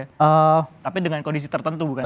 tapi dengan kondisi tertentu bukan